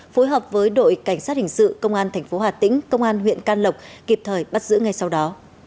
phối hợp với đội cảnh sát hình sự công an thành phố hà tĩnh công an huyện cát lộc kịp thời bắt giữ ngay sau đó